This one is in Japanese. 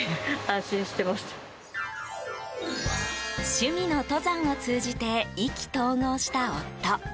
趣味の登山を通じて意気投合した夫。